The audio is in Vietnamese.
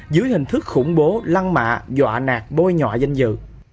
dưới hình thức khủng bố lăn mạ dọa nạt bôi nhọa danh dự